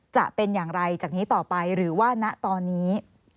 จะเป็นอย่างไรจากนี้ต่อไปหรือว่าณตอนนี้